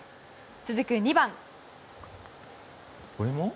続く２番。